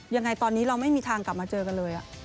ยังไงตอนนี้เราไม่มีทางกลับมาเจอกันเลย